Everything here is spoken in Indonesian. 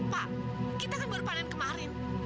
pak kita kan berpanen kemarin